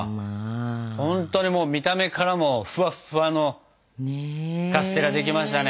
ほんとにもう見た目からもフワッフワのカステラできましたね。